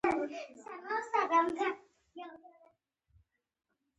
نجلۍ د دعاوو څښتنه ده.